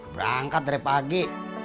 berangkat dari pagi